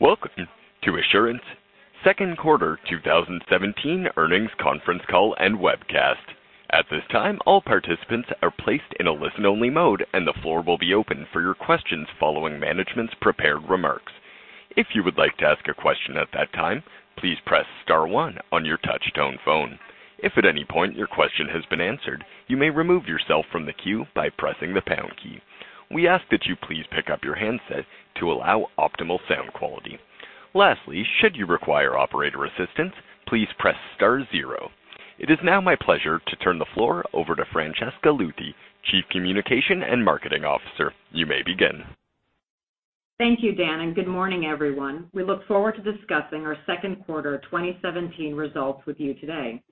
Welcome to Assurant's second quarter 2017 earnings conference call and webcast. At this time, all participants are placed in a listen-only mode, and the floor will be open for your questions following management's prepared remarks. If you would like to ask a question at that time, please press star one on your touch-tone phone. If at any point your question has been answered, you may remove yourself from the queue by pressing the pound key. We ask that you please pick up your handset to allow optimal sound quality. Lastly, should you require operator assistance, please press star zero. It is now my pleasure to turn the floor over to Francesca Luthi, Chief Communication and Marketing Officer. You may begin. Thank you, Dan. Good morning, everyone. We look forward to discussing our second quarter 2017 results with you today.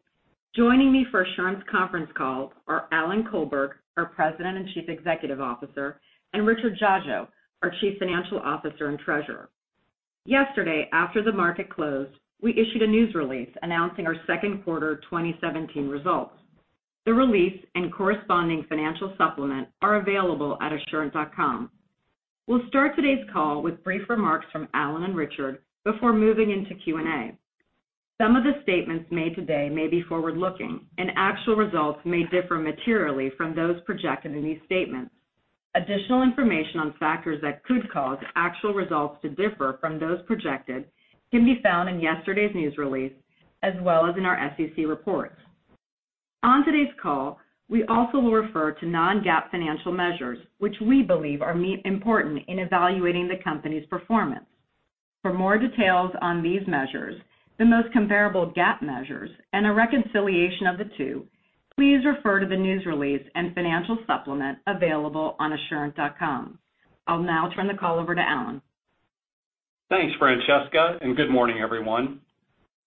Joining me for Assurant's conference call are Alan Colberg, our President and Chief Executive Officer, and Richard Dziadzio, our Chief Financial Officer and Treasurer. Yesterday, after the market closed, we issued a news release announcing our second quarter 2017 results. The release and corresponding financial supplement are available at assurant.com. We'll start today's call with brief remarks from Alan and Richard before moving into Q&A. Some of the statements made today may be forward-looking. Actual results may differ materially from those projected in these statements. Additional information on factors that could cause actual results to differ from those projected can be found in yesterday's news release, as well as in our SEC reports. On today's call, we also will refer to non-GAAP financial measures, which we believe are important in evaluating the company's performance. For more details on these measures, the most comparable GAAP measures, and a reconciliation of the two, please refer to the news release and financial supplement available on assurant.com. I'll now turn the call over to Alan. Thanks, Francesca. Good morning, everyone.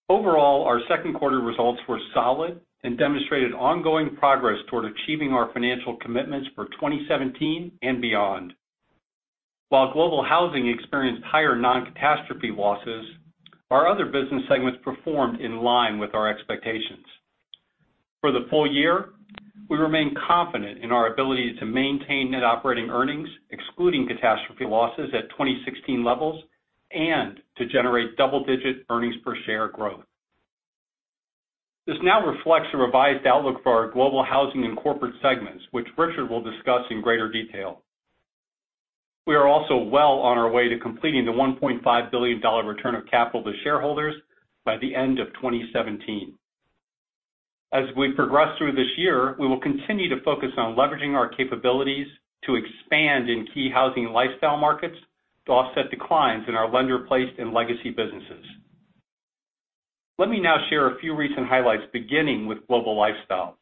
Overall, our second quarter results were solid. Demonstrated ongoing progress toward achieving our financial commitments for 2017 and beyond. While Global Housing experienced higher non-catastrophe losses, our other business segments performed in line with our expectations. For the full year, we remain confident in our ability to maintain net operating earnings, excluding catastrophe losses at 2016 levels. To generate double-digit earnings per share growth. This now reflects a revised outlook for our Global Housing and Corporate segments, which Richard will discuss in greater detail. We are also well on our way to completing the $1.5 billion return of capital to shareholders by the end of 2017. As we progress through this year, we will continue to focus on leveraging our capabilities to expand in key housing and lifestyle markets to offset declines in our Lender-Placed in legacy businesses. Let me now share a few recent highlights, beginning with Global Lifestyle.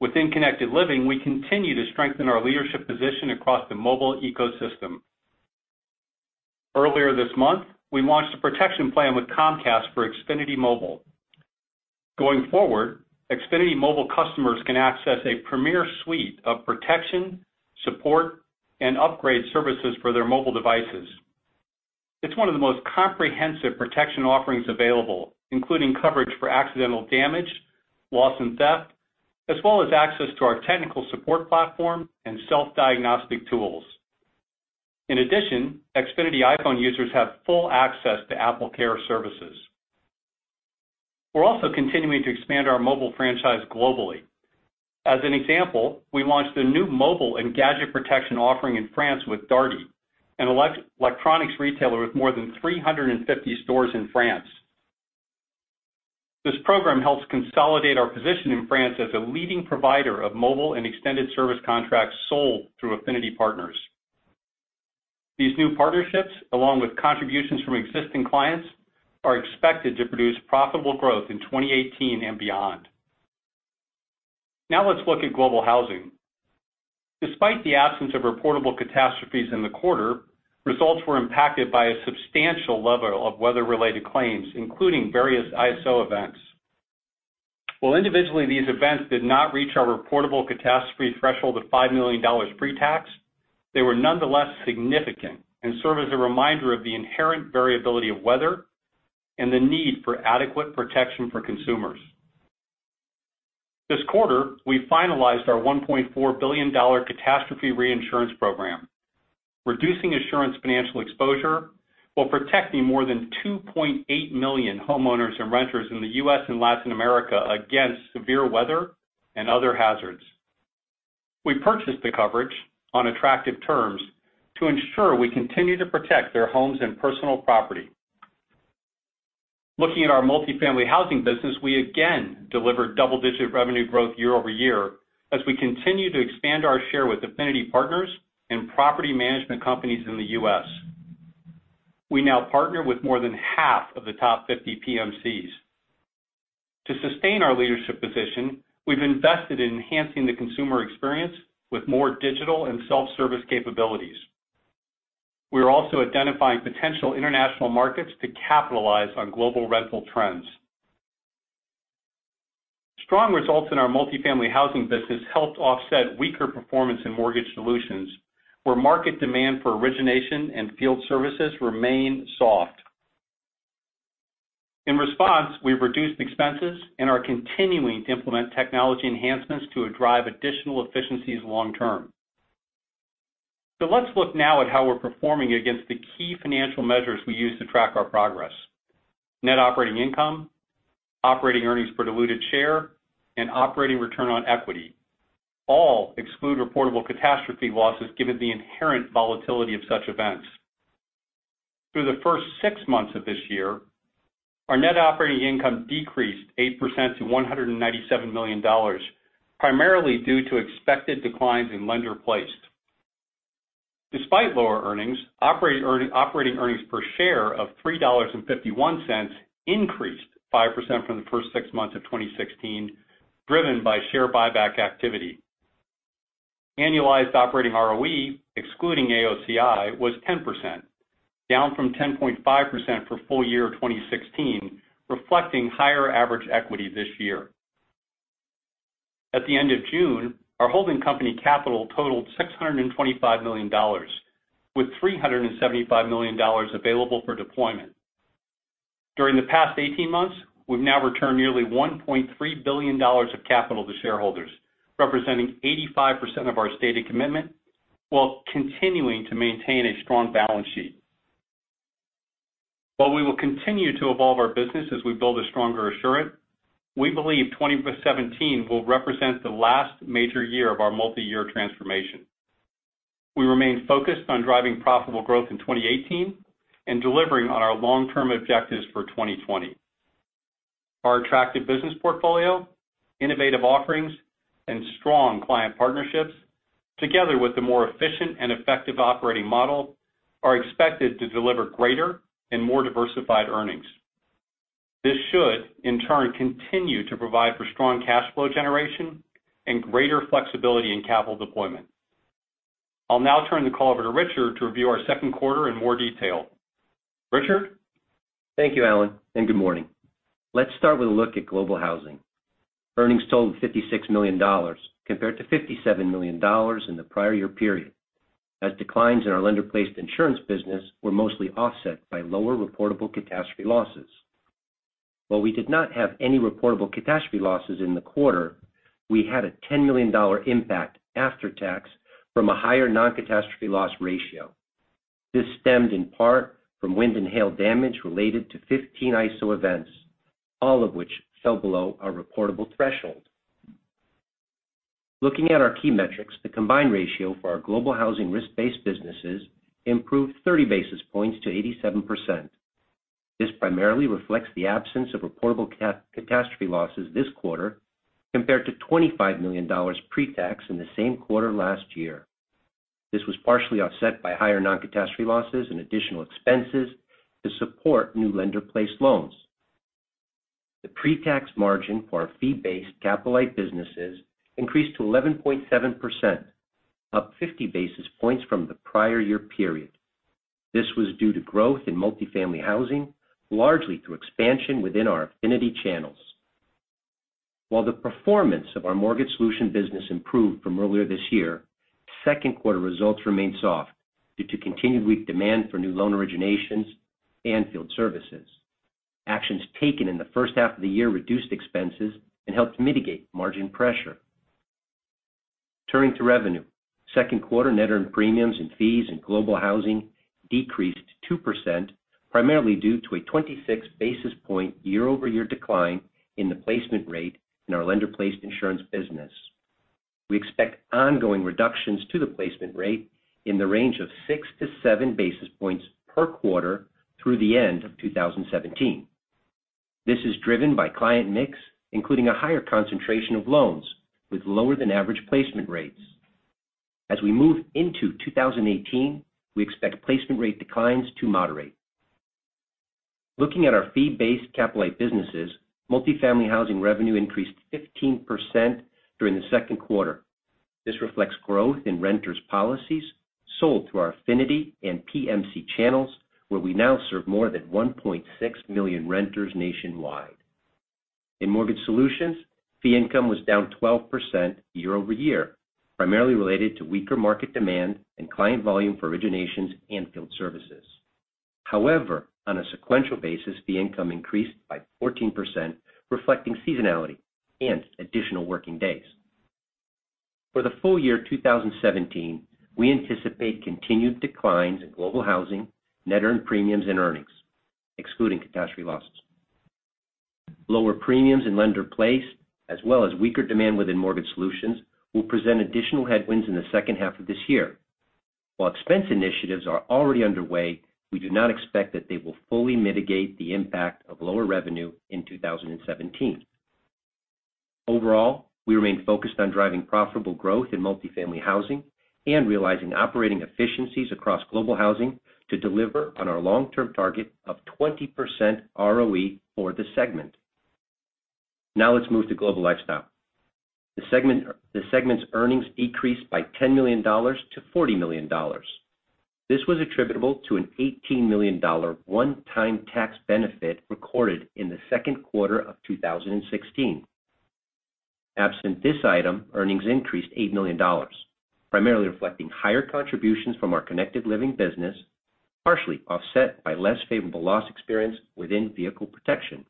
Within Connected Living, we continue to strengthen our leadership position across the mobile ecosystem. Earlier this month, we launched a protection plan with Comcast for Xfinity Mobile. Going forward, Xfinity Mobile customers can access a premier suite of protection, support, and upgrade services for their mobile devices. It's one of the most comprehensive protection offerings available, including coverage for accidental damage, loss, and theft, as well as access to our technical support platform and self-diagnostic tools. In addition, Xfinity iPhone users have full access to AppleCare services. We're also continuing to expand our mobile franchise globally. As an example, we launched a new mobile and gadget protection offering in France with Darty, an electronics retailer with more than 350 stores in France. This program helps consolidate our position in France as a leading provider of mobile and extended service contracts sold through affinity partners. These new partnerships, along with contributions from existing clients, are expected to produce profitable growth in 2018 and beyond. Let's look at Global Housing. Despite the absence of reportable catastrophes in the quarter, results were impacted by a substantial level of weather-related claims, including various ISO events. While individually, these events did not reach our reportable catastrophe threshold of $5 million pre-tax, they were nonetheless significant and serve as a reminder of the inherent variability of weather and the need for adequate protection for consumers. This quarter, we finalized our $1.4 billion catastrophe reinsurance program, reducing Assurant's financial exposure while protecting more than 2.8 million homeowners and renters in the U.S. and Latin America against severe weather and other hazards. We purchased the coverage on attractive terms to ensure we continue to protect their homes and personal property. Looking at our multifamily housing business, we again delivered double-digit revenue growth year-over-year as we continue to expand our share with affinity partners and property management companies in the U.S. We now partner with more than half of the top 50 PMCs. To sustain our leadership position, we've invested in enhancing the consumer experience with more digital and self-service capabilities. We are also identifying potential international markets to capitalize on global rental trends. Strong results in our multifamily housing business helped offset weaker performance in Mortgage Solutions, where market demand for origination and field services remained soft. In response, we've reduced expenses and are continuing to implement technology enhancements to drive additional efficiencies long term. Let's look now at how we're performing against the key financial measures we use to track our progress. Net operating income, operating earnings per diluted share, and operating return on equity all exclude reportable catastrophe losses given the inherent volatility of such events. Through the first six months of this year, our net operating income decreased 8% to $197 million, primarily due to expected declines in Lender-Placed. Despite lower earnings, operating earnings per share of $3.51 increased 5% from the first six months of 2016, driven by share buyback activity. Annualized operating ROE, excluding AOCI, was 10%, down from 10.5% for full year 2016, reflecting higher average equity this year. At the end of June, our holding company capital totaled $625 million, with $375 million available for deployment. During the past 18 months, we've now returned nearly $1.3 billion of capital to shareholders, representing 85% of our stated commitment, while continuing to maintain a strong balance sheet. While we will continue to evolve our business as we build a stronger Assurant, we believe 2017 will represent the last major year of our multi-year transformation. We remain focused on driving profitable growth in 2018 and delivering on our long-term objectives for 2020. Our attractive business portfolio, innovative offerings, and strong client partnerships, together with the more efficient and effective operating model, are expected to deliver greater and more diversified earnings. This should, in turn, continue to provide for strong cash flow generation and greater flexibility in capital deployment. I'll now turn the call over to Richard to review our second quarter in more detail. Richard? Thank you, Alan, and good morning. Let's start with a look at Global Housing. Earnings totaled $56 million, compared to $57 million in the prior year period, as declines in our Lender-Placed Insurance business were mostly offset by lower reportable catastrophe losses. While we did not have any reportable catastrophe losses in the quarter, we had a $10 million impact after tax from a higher non-catastrophe loss ratio. This stemmed in part from wind and hail damage related to 15 ISO events, all of which fell below our reportable threshold. Looking at our key metrics, the combined ratio for our Global Housing risk-based businesses improved 30 basis points to 87%. This primarily reflects the absence of reportable catastrophe losses this quarter compared to $25 million pre-tax in the same quarter last year. This was partially offset by higher non-catastrophe losses and additional expenses to support new lender-placed loans. The pre-tax margin for our fee-based, capital-light businesses increased to 11.7%, up 50 basis points from the prior year period. This was due to growth in multifamily housing, largely through expansion within our affinity channels. While the performance of our Mortgage Solutions business improved from earlier this year, second quarter results remained soft due to continued weak demand for new loan originations and field services. Actions taken in the first half of the year reduced expenses and helped mitigate margin pressure. Turning to revenue, second quarter net earned premiums and fees in Global Housing decreased 2%, primarily due to a 26 basis point year-over-year decline in the placement rate in our Lender-Placed Insurance business. We expect ongoing reductions to the placement rate in the range of six to seven basis points per quarter through the end of 2017. This is driven by client mix, including a higher concentration of loans with lower than average placement rates. As we move into 2018, we expect placement rate declines to moderate. Looking at our fee-based, capital-light businesses, multifamily housing revenue increased 15% during the second quarter. This reflects growth in renters' policies sold through our affinity and PMC channels, where we now serve more than 1.6 million renters nationwide. In Mortgage Solutions, fee income was down 12% year-over-year, primarily related to weaker market demand and client volume for originations and field services. However, on a sequential basis, fee income increased by 14%, reflecting seasonality and additional working days. For the full year 2017, we anticipate continued declines in Global Housing, net earned premiums, and earnings, excluding catastrophe losses. Lower premiums in Lender-Placed, as well as weaker demand within Mortgage Solutions, will present additional headwinds in the second half of this year. While expense initiatives are already underway, we do not expect that they will fully mitigate the impact of lower revenue in 2017. Overall, we remain focused on driving profitable growth in multifamily housing and realizing operating efficiencies across Global Housing to deliver on our long-term target of 20% ROE for the segment. Now let's move to Global Lifestyle. The segment's earnings decreased by $10 million to $40 million. This was attributable to an $18 million one-time tax benefit recorded in the second quarter of 2016. Absent this item, earnings increased $8 million, primarily reflecting higher contributions from our Connected Living business, partially offset by less favorable loss experience within vehicle protection.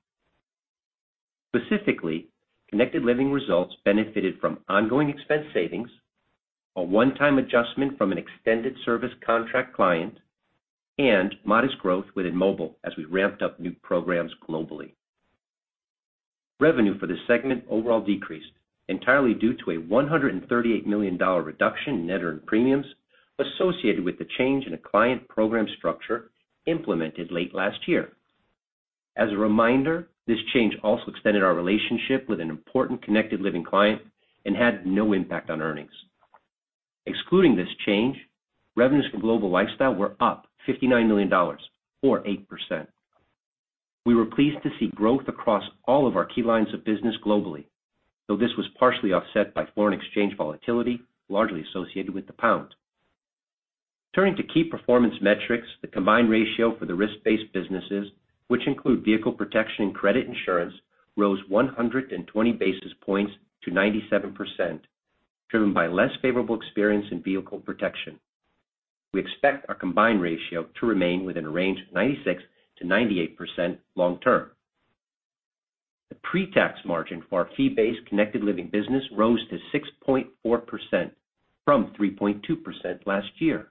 Specifically, Connected Living results benefited from ongoing expense savings, a one-time adjustment from an extended service contract client, and modest growth within mobile as we ramped up new programs globally. Revenue for this segment overall decreased entirely due to a $138 million reduction in net earned premiums associated with the change in a client program structure implemented late last year. As a reminder, this change also extended our relationship with an important Connected Living client and had no impact on earnings. Excluding this change, revenues from Global Lifestyle were up $59 million or 8%. We were pleased to see growth across all of our key lines of business globally, though this was partially offset by foreign exchange volatility, largely associated with the pound. Turning to key performance metrics, the combined ratio for the risk-based businesses, which include vehicle protection and credit insurance, rose 120 basis points to 97%, driven by less favorable experience in vehicle protection. We expect our combined ratio to remain within a range of 96%-98% long term. The pre-tax margin for our fee-based Connected Living business rose to 6.4% from 3.2% last year.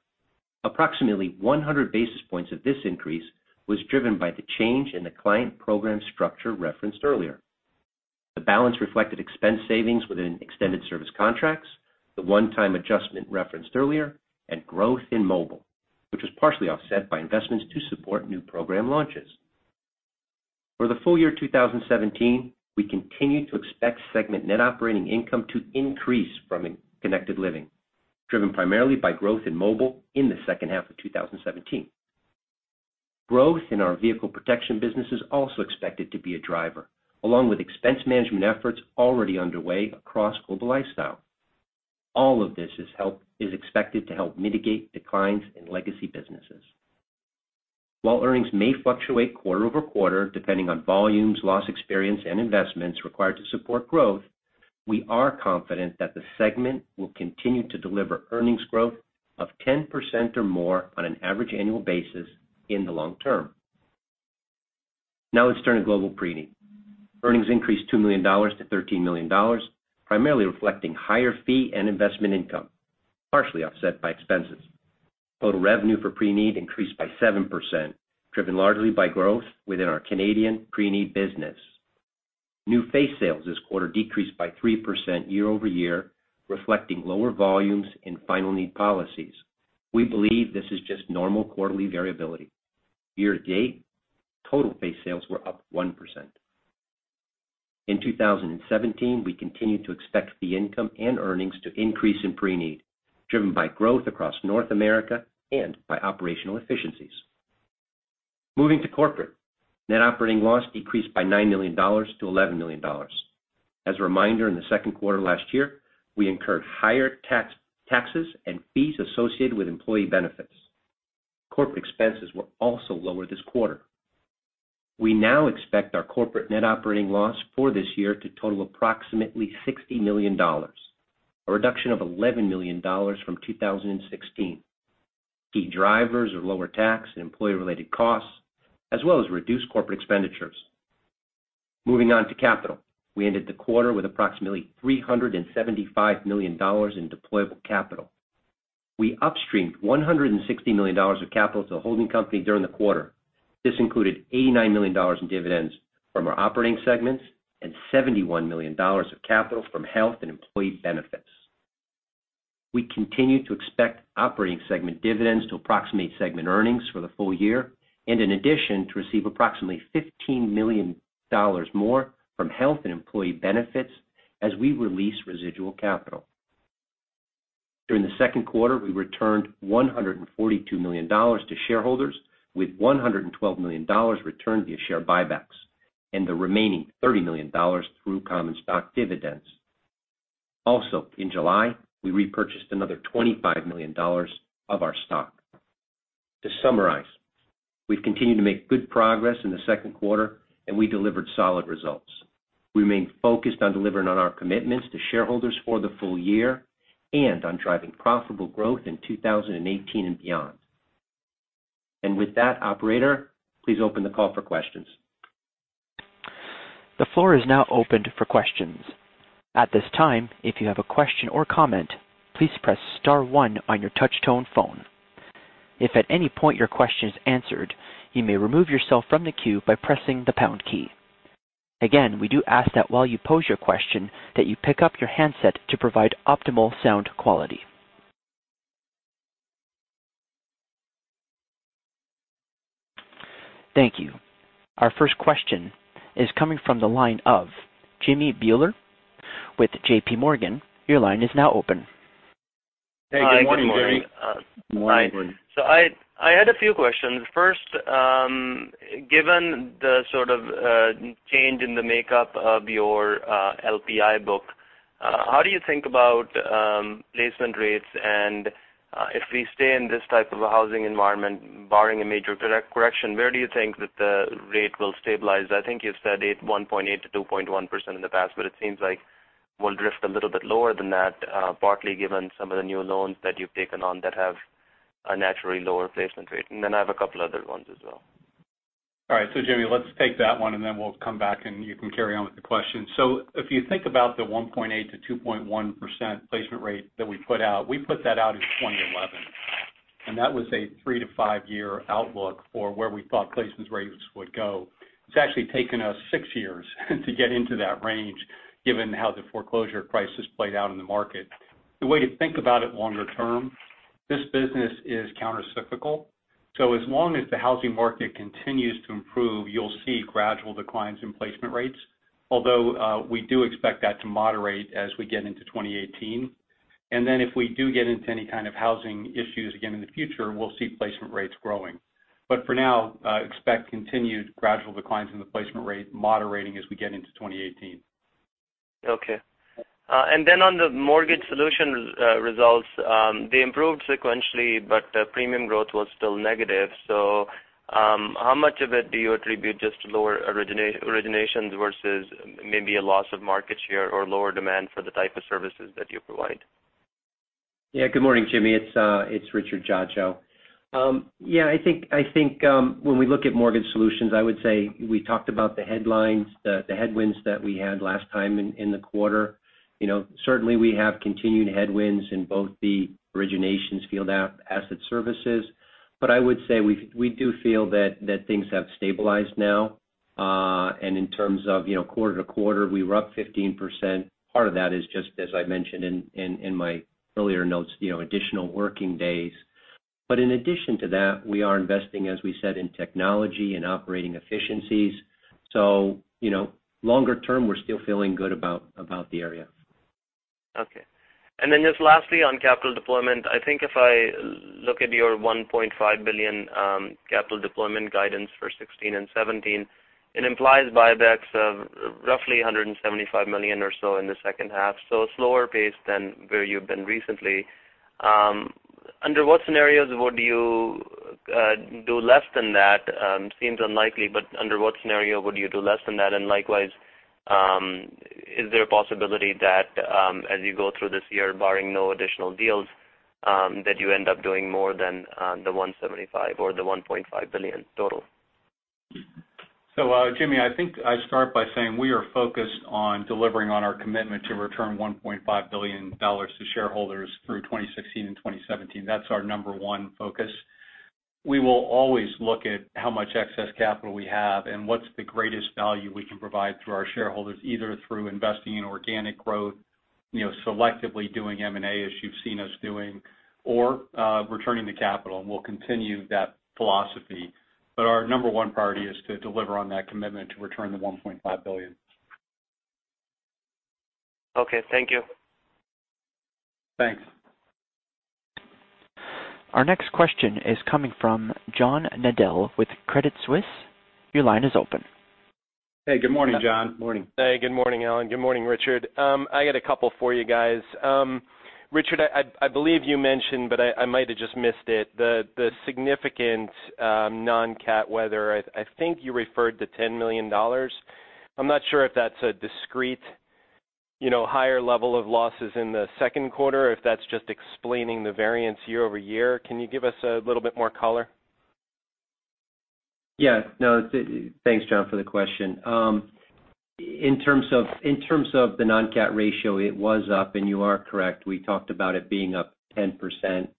Approximately 100 basis points of this increase was driven by the change in the client program structure referenced earlier. The balance reflected expense savings within extended service contracts, the one-time adjustment referenced earlier, and growth in mobile, which was partially offset by investments to support new program launches. For the full year 2017, we continue to expect segment net operating income to increase from Connected Living, driven primarily by growth in mobile in the second half of 2017. Growth in our vehicle protection business is also expected to be a driver, along with expense management efforts already underway across Global Lifestyle. All of this is expected to help mitigate declines in legacy businesses. While earnings may fluctuate quarter over quarter, depending on volumes, loss experience, and investments required to support growth, we are confident that the segment will continue to deliver earnings growth of 10% or more on an average annual basis in the long term. Now let's turn to Global Preneed. Earnings increased $2 million to $13 million, primarily reflecting higher fee and investment income, partially offset by expenses. Total revenue for Preneed increased by 7%, driven largely by growth within our Canadian preneed business. New face sales this quarter decreased by 3% year-over-year, reflecting lower volumes in final need policies. We believe this is just normal quarterly variability. Year to date, total face sales were up 1%. In 2017, we continue to expect fee income and earnings to increase in Preneed, driven by growth across North America and by operational efficiencies. Moving to Corporate. Net operating loss decreased by $9 million to $11 million. As a reminder, in the second quarter last year, we incurred higher taxes and fees associated with employee benefits. Corporate expenses were also lower this quarter. We now expect our corporate net operating loss for this year to total approximately $60 million, a reduction of $11 million from 2016. Key drivers are lower tax and employee-related costs, as well as reduced corporate expenditures. Moving on to capital. We ended the quarter with approximately $375 million in deployable capital. We upstreamed $160 million of capital to the holding company during the quarter. This included $89 million in dividends from our operating segments and $71 million of capital from health and employee benefits. We continue to expect operating segment dividends to approximate segment earnings for the full year in addition, to receive approximately $15 million more from health and employee benefits as we release residual capital. During the second quarter, we returned $142 million to shareholders with $112 million returned via share buybacks and the remaining $30 million through common stock dividends. Also, in July, we repurchased another $25 million of our stock. To summarize, we've continued to make good progress in the second quarter, we delivered solid results. We remain focused on delivering on our commitments to shareholders for the full year and on driving profitable growth in 2018 and beyond. With that, operator, please open the call for questions. The floor is now opened for questions. At this time, if you have a question or comment, please press star one on your touch-tone phone. If at any point your question is answered, you may remove yourself from the queue by pressing the pound key. Again, we do ask that while you pose your question that you pick up your handset to provide optimal sound quality. Thank you. Our first question is coming from the line of Jimmy Bhullar with JP Morgan. Your line is now open. Hey, good morning, Gary. Good morning. I had a few questions. First, given the sort of change in the makeup of your LPI book, how do you think about placement rates? If we stay in this type of a housing environment, barring a major correction, where do you think that the rate will stabilize? I think you've said 1.8%-2.1% in the past, it seems like Will drift a little bit lower than that, partly given some of the new loans that you've taken on that have a naturally lower placement rate. I have a couple other ones as well. All right. Jimmy, let's take that one we'll come back, you can carry on with the question. If you think about the 1.8%-2.1% placement rate that we put out, we put that out in 2011, that was a three- to five-year outlook for where we thought placement rates would go. It's actually taken us six years to get into that range, given how the foreclosure crisis played out in the market. The way to think about it longer term, this business is countercyclical, as long as the housing market continues to improve, you'll see gradual declines in placement rates. Although we do expect that to moderate as we get into 2018. If we do get into any kind of housing issues again in the future, we'll see placement rates growing. For now, expect continued gradual declines in the placement rate moderating as we get into 2018. On the Mortgage Solutions results, they improved sequentially, but premium growth was still negative. How much of it do you attribute just to lower originations versus maybe a loss of market share or lower demand for the type of services that you provide? Good morning, Jimmy. It's Richard Dziadzio. I think when we look at Mortgage Solutions, I would say we talked about the headlines, the headwinds that we had last time in the quarter. Certainly, we have continued headwinds in both the originations field asset services. I would say we do feel that things have stabilized now. In terms of quarter-to-quarter, we were up 15%. Part of that is just as I mentioned in my earlier notes, additional working days. In addition to that, we are investing, as we said, in technology and operating efficiencies. Longer term, we're still feeling good about the area. Okay. Just lastly, on capital deployment, I think if I look at your $1.5 billion capital deployment guidance for 2016 and 2017, it implies buybacks of roughly $175 million or so in the second half. Slower pace than where you've been recently. Under what scenarios would you do less than that? Seems unlikely, but under what scenario would you do less than that? Likewise, is there a possibility that, as you go through this year, barring no additional deals, that you end up doing more than the $175 or the $1.5 billion total? Jimmy, I think I'd start by saying we are focused on delivering on our commitment to return $1.5 billion to shareholders through 2016 and 2017. That's our number one focus. We will always look at how much excess capital we have and what's the greatest value we can provide through our shareholders, either through investing in organic growth, selectively doing M&A as you've seen us doing, or returning the capital. We'll continue that philosophy. Our number one priority is to deliver on that commitment to return the $1.5 billion. Okay. Thank you. Thanks. Our next question is coming from John Nadel with Credit Suisse. Your line is open. Hey, good morning, John. Morning. Hey, good morning, Alan. Good morning, Richard. I got a couple for you guys. Richard, I believe you mentioned, but I might have just missed it, the significant non-cat weather. I think you referred to $10 million. I'm not sure if that's a discrete higher level of losses in the second quarter, or if that's just explaining the variance year-over-year. Can you give us a little bit more color? Thanks, John, for the question. In terms of the non-cat ratio, it was up, and you are correct. We talked about it being up $10 million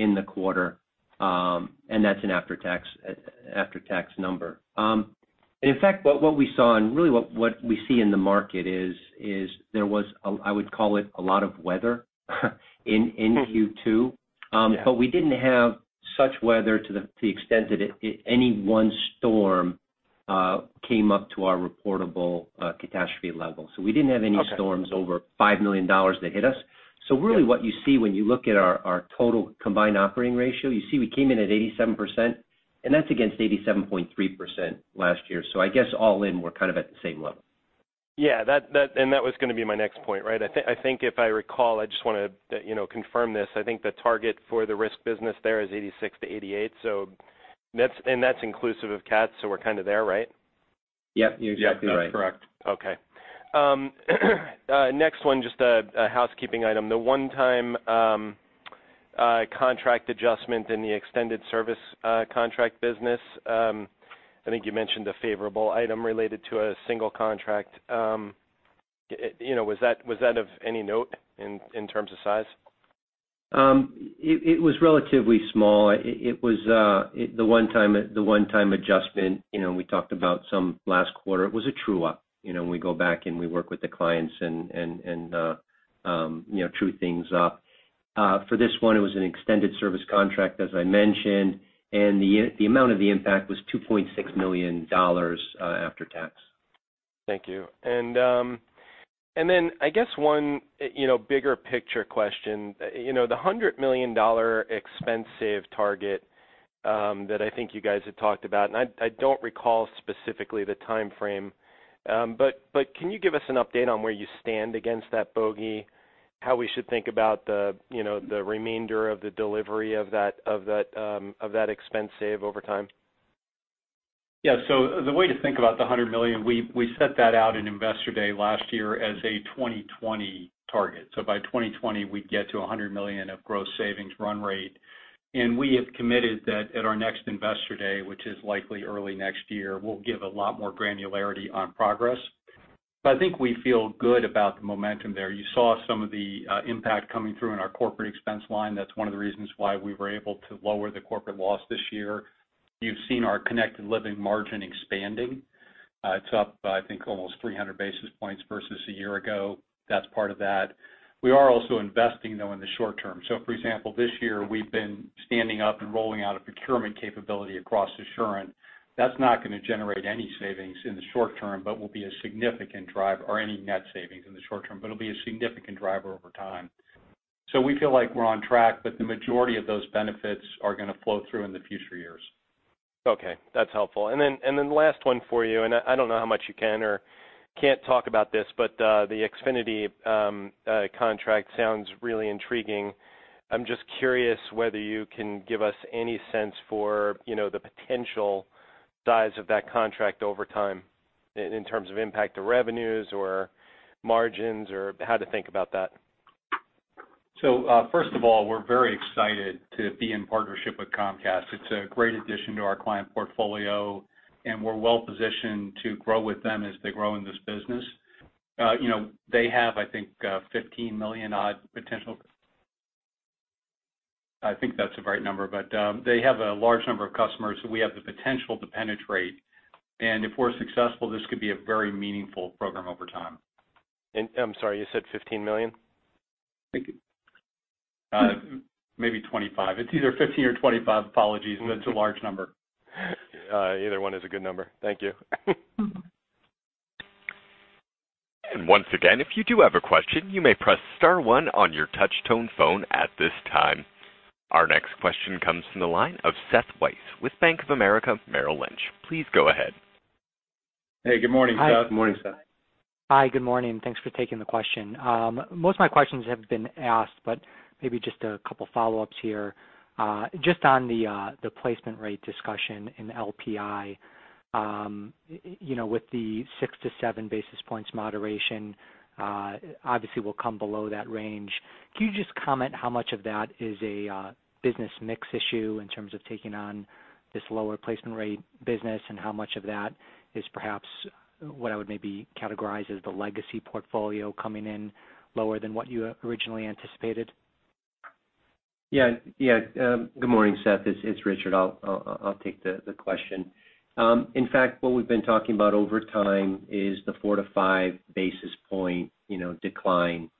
in the quarter. That's an after-tax number. In fact, what we saw and really what we see in the market is there was, I would call it, a lot of weather in Q2. Yeah. We didn't have such weather to the extent that any one storm came up to our reportable catastrophe level. We didn't have any storms. Okay Over $5 million that hit us. Really what you see when you look at our total combined operating ratio, you see we came in at 87%, and that's against 87.3% last year. I guess all in, we're kind of at the same level. That was going to be my next point. I think if I recall, I just want to confirm this. I think the target for the risk business there is 86%-88%. That's inclusive of cats, we're kind of there, right? Yep. You're exactly right. Yep. That's correct. Okay. Next one, just a housekeeping item. The one-time contract adjustment in the extended service contract business. I think you mentioned a favorable item related to a single contract. Was that of any note in terms of size? It was relatively small. The one-time adjustment we talked about some last quarter, it was a true-up. We go back, and we work with the clients and true things up. For this one, it was an extended service contract, as I mentioned, and the amount of the impact was $2.6 million after tax. Thank you. Then I guess one bigger picture question. The $100 million expense save target that I think you guys had talked about, and I don't recall specifically the timeframe, can you give us an update on where you stand against that bogey? How we should think about the remainder of the delivery of that expense save over time? Yeah. The way to think about the $100 million, we set that out in Investor Day last year as a 2020 target. By 2020, we'd get to $100 million of gross savings run rate. We have committed that at our next Investor Day, which is likely early next year, we'll give a lot more granularity on progress. I think we feel good about the momentum there. You saw some of the impact coming through in our corporate expense line. That's one of the reasons why we were able to lower the corporate loss this year. You've seen our Connected Living margin expanding. It's up by, I think, almost 300 basis points versus a year ago. That's part of that. We are also investing, though, in the short term. For example, this year we've been standing up and rolling out a procurement capability across Assurant. That's not going to generate any savings in the short term, but will be a significant driver or any net savings in the short term, but it'll be a significant driver over time. We feel like we're on track, but the majority of those benefits are going to flow through in the future years. Okay, that's helpful. Then last one for you, and I don't know how much you can or can't talk about this, but the Xfinity contract sounds really intriguing. I'm just curious whether you can give us any sense for the potential size of that contract over time in terms of impact to revenues or margins, or how to think about that. First of all, we're very excited to be in partnership with Comcast. It's a great addition to our client portfolio, and we're well-positioned to grow with them as they grow in this business. They have, I think, 15 million odd potential. I think that's the right number. They have a large number of customers who we have the potential to penetrate, and if we're successful, this could be a very meaningful program over time. I'm sorry, you said 15 million? Maybe 25. It's either 15 or 25. Apologies. It's a large number. Either one is a good number. Thank you. Once again, if you do have a question, you may press star one on your touch tone phone at this time. Our next question comes from the line of Seth Weiss with Bank of America Merrill Lynch. Please go ahead. Hey, good morning, Seth. Good morning, Seth. Hi. Good morning. Thanks for taking the question. Most of my questions have been asked, but maybe just a couple of follow-ups here. Just on the placement rate discussion in LPI. With the six to seven basis points moderation, obviously we'll come below that range. Can you just comment how much of that is a business mix issue in terms of taking on this lower placement rate business, and how much of that is perhaps what I would maybe categorize as the legacy portfolio coming in lower than what you originally anticipated? Yeah. Good morning, Seth. It's Richard. I'll take the question. In fact, what we've been talking about over time is the four to five basis point decline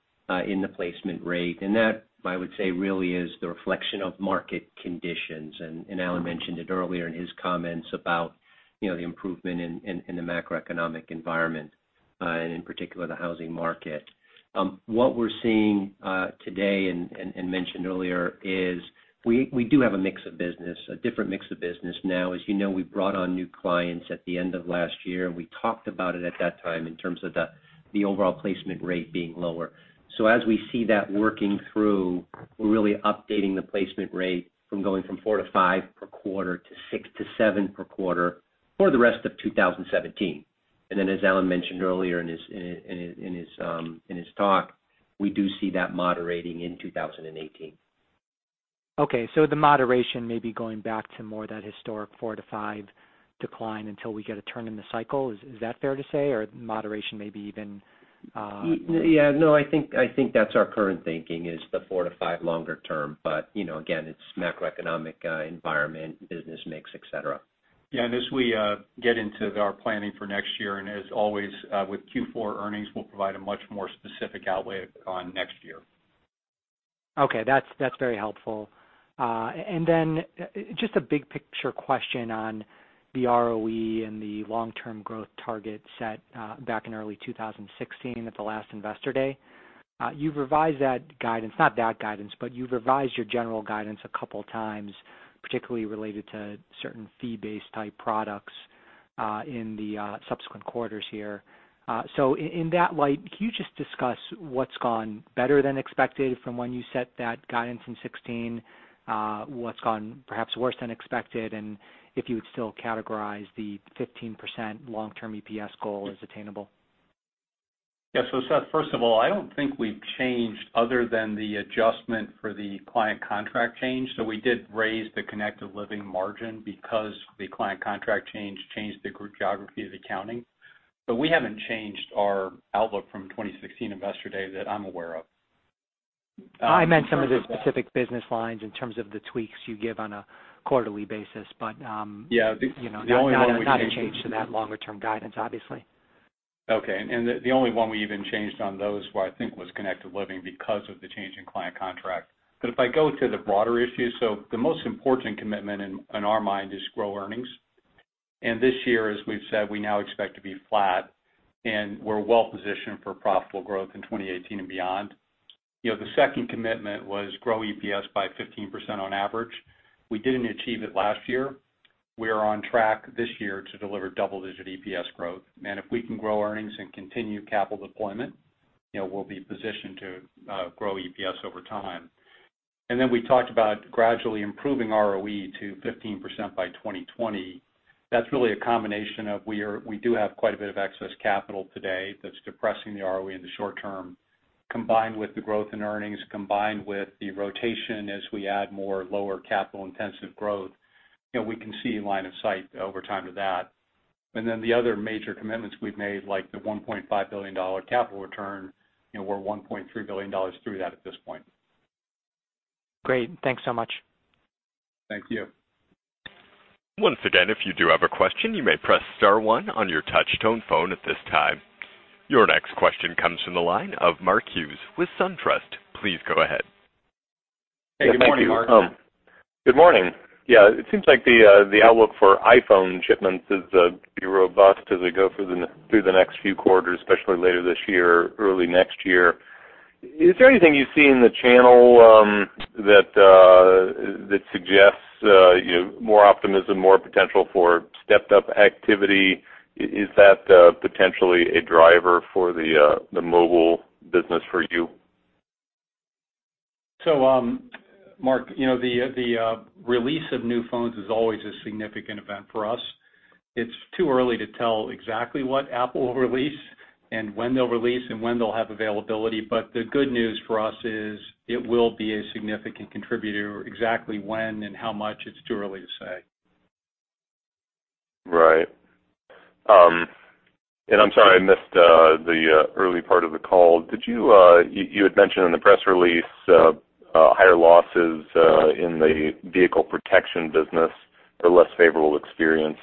in the placement rate. That, I would say, really is the reflection of market conditions. Alan mentioned it earlier in his comments about the improvement in the macroeconomic environment, and in particular, the housing market. What we're seeing today and mentioned earlier is we do have a mix of business, a different mix of business now. As you know, we brought on new clients at the end of last year. We talked about it at that time in terms of the overall placement rate being lower. As we see that working through, we're really updating the placement rate from going from four to five per quarter to six to seven per quarter for the rest of 2017. As Alan mentioned earlier in his talk, we do see that moderating in 2018. Okay, the moderation may be going back to more that historic four to five decline until we get a turn in the cycle. Is that fair to say? Moderation may be even- Yeah, no, I think that's our current thinking is the four to five longer term. Again, it's macroeconomic environment, business mix, et cetera. Yeah. As we get into our planning for next year, as always with Q4 earnings, we'll provide a much more specific outlay on next year. Okay, that's very helpful. Just a big picture question on the ROE and the long-term growth target set back in early 2016 at the last Investor Day. You've revised your general guidance a couple times, particularly related to certain fee-based type products, in the subsequent quarters here. In that light, can you just discuss what's gone better than expected from when you set that guidance in 2016? What's gone perhaps worse than expected, and if you would still categorize the 15% long-term EPS goal as attainable? Yeah. Seth, first of all, I don't think we've changed other than the adjustment for the client contract change. We did raise the Connected Living margin because the client contract change changed the gross geography of accounting. We haven't changed our outlook from 2016 Investor Day that I'm aware of. I meant some of the specific business lines in terms of the tweaks you give on a quarterly basis. Yeah. The only one we changed. not a change to that longer-term guidance, obviously. Okay. The only one we even changed on those was, I think, was Connected Living because of the change in client contract. If I go to the broader issue, the most important commitment in our mind is grow earnings. This year, as we've said, we now expect to be flat, and we're well-positioned for profitable growth in 2018 and beyond. The second commitment was grow EPS by 15% on average. We didn't achieve it last year. We are on track this year to deliver double-digit EPS growth. If we can grow earnings and continue capital deployment, we'll be positioned to grow EPS over time. We talked about gradually improving ROE to 15% by 2020. That's really a combination of we do have quite a bit of excess capital today that's depressing the ROE in the short term, combined with the growth in earnings, combined with the rotation as we add more lower capital intensive growth. We can see line of sight over time to that. The other major commitments we've made, like the $1.5 billion capital return, we're $1.3 billion through that at this point. Great. Thanks so much. Thank you. Once again, if you do have a question, you may press star one on your touch-tone phone at this time. Your next question comes from the line of Mark Hughes with SunTrust. Please go ahead. Hey, good morning, Mark. Good morning. Yeah, it seems like the outlook for iPhone shipments is pretty robust as we go through the next few quarters, especially later this year or early next year. Is there anything you see in the channel that suggests more optimism, more potential for stepped-up activity? Is that potentially a driver for the mobile business for you? Mark, the release of new phones is always a significant event for us. It's too early to tell exactly what Apple will release and when they'll release and when they'll have availability. The good news for us is it will be a significant contributor. Exactly when and how much, it's too early to say. Right. I'm sorry, I missed the early part of the call. You had mentioned in the press release higher losses in the vehicle protection business or less favorable experience.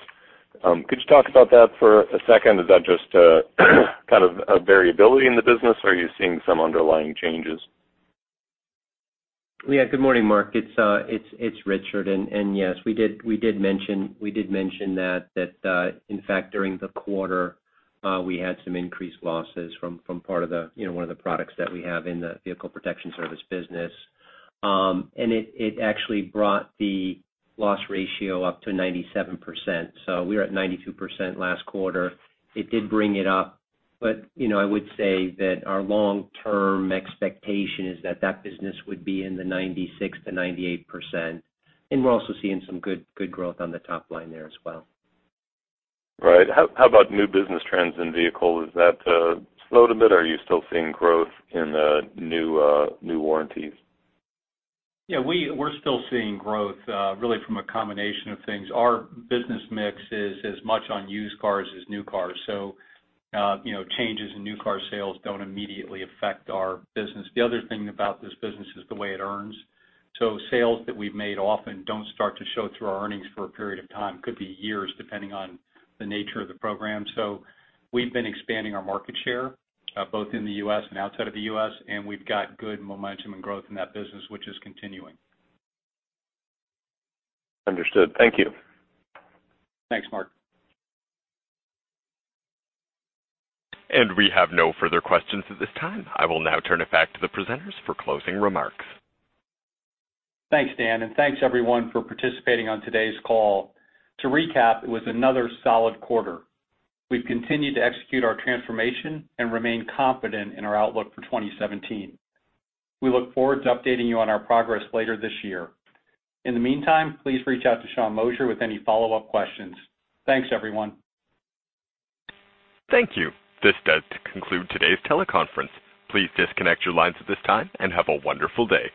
Could you talk about that for a second? Is that just a kind of variability in the business, or are you seeing some underlying changes? Yeah. Good morning, Mark. It's Richard. Yes, we did mention that in fact, during the quarter, we had some increased losses from one of the products that we have in the vehicle protection service business. It actually brought the loss ratio up to 97%. We were at 92% last quarter. It did bring it up, but I would say that our long-term expectation is that that business would be in the 96%-98%, and we're also seeing some good growth on the top line there as well. Right. How about new business trends in vehicle? Has that slowed a bit? Are you still seeing growth in new warranties? Yeah, we're still seeing growth really from a combination of things. Our business mix is as much on used cars as new cars, so changes in new car sales don't immediately affect our business. The other thing about this business is the way it earns. Sales that we've made often don't start to show through our earnings for a period of time. Could be years, depending on the nature of the program. We've been expanding our market share both in the U.S. and outside of the U.S., and we've got good momentum and growth in that business, which is continuing. Understood. Thank you. Thanks, Mark. We have no further questions at this time. I will now turn it back to the presenters for closing remarks. Thanks, Dan, and thanks everyone for participating on today's call. To recap, it was another solid quarter. We've continued to execute our transformation and remain confident in our outlook for 2017. We look forward to updating you on our progress later this year. In the meantime, please reach out to Sean Moshier with any follow-up questions. Thanks everyone. Thank you. This does conclude today's teleconference. Please disconnect your lines at this time and have a wonderful day.